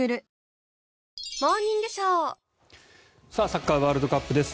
サッカーワールドカップです。